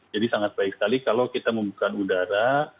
jadi sangat baik sekali kalau kita membuka udara